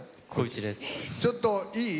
ちょっといい？